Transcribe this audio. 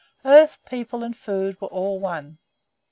Earth, people, and food were all one.